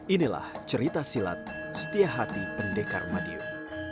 inilah cerita silat setia hati pendekar madiun